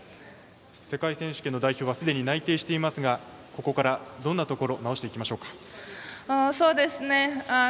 世界選手権の代表はすでに内定していますがここからどんなところを直していきましょうか。